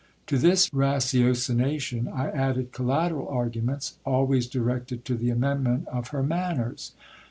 To this ratiocination, I added collateral arguments, always directed to the amendment of her manners.